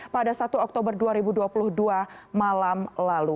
pada satu oktober dua ribu dua puluh dua malam lalu